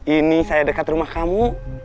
ini saya dekat rumah kamu